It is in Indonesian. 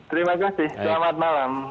terima kasih selamat malam